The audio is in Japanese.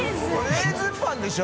レーズンパンでしょ？